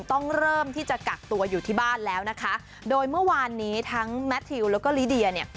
ต้องเริ่มที่จะกักตัวอยู่ที่บ้านแล้วนะคะโดยเมื่อวานนี้ทั้งแมททิวแล้วก็ลิเดียเนี่ย